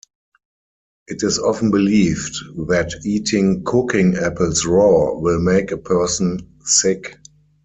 It is often believed that eating cooking apples raw will make a person sick.